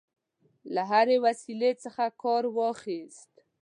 له هري وسیلې څخه کارواخیست.